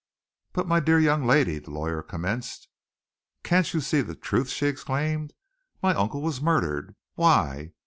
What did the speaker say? "But, my dear young lady," the lawyer commenced, "Can't you see the truth?" she exclaimed. "My uncle was murdered. Why?